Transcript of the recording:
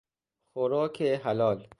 خوراک حلال